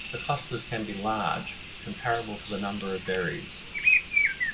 The clusters can be large, comparable to the number of berries.